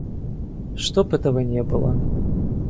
Чтоб этого не было.